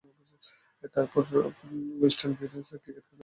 এরপর Western Province এ cricket দলে খেলার জন্য মনোনীত হন।